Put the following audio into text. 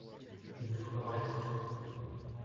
Il ne faut pas parler trop fort !